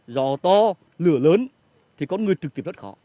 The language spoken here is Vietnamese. giò to lửa lớn thì có người trực tiếp rất khó